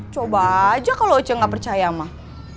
coba aja kalo ece gak percaya mah